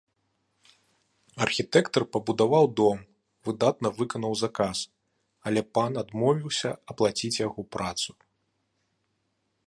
Архітэктар пабудаваў дом, выдатна выканаў заказ, але пан адмовіўся аплаціць яго працу.